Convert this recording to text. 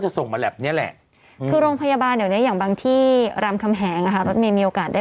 หรือว่าตามโรงพยาบาลก็จะส่งมาแลปนี้แหละ